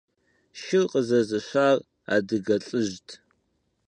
Шыр къызэзыщар адыгэ лӀыжьт.